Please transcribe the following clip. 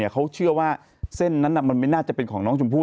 เขาเชื่อว่าเส้นนั้นมันไม่น่าจะเป็นของน้องชมพู่